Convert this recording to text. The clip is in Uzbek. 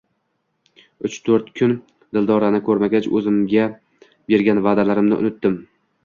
Uch-toʻrt kun Dildorani koʻrmagach oʻzimga bergan vaʼdalarimni unutdim.